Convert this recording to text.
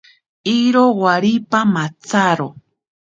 Iro waripa matsaro.